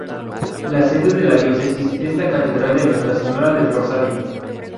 La sede de la Diócesis es la Catedral de Nuestra Señora del Rosario.